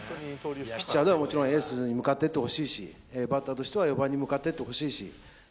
ピッチャーではもちろんエースに向かっていってほしいしバッターとしては４番に向かっていってほしいし。